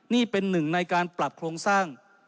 นี่เป็นหนึ่งในการปรับโครงสร้าง